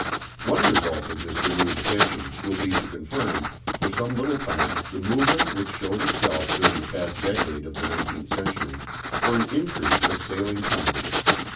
One result of this renewed attention will be to confirm, for some little time, the movement which showed itself during the past decade of the nineteenth century for an increase of sailing tonnage.